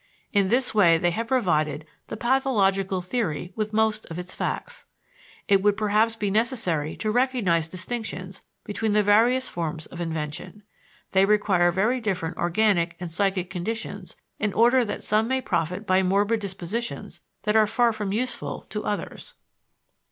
In this way they have provided the pathological theory with most of its facts. It would perhaps be necessary to recognize distinctions between the various forms of invention. They require very different organic and psychic conditions in order that some may profit by morbid dispositions that are far from useful to others.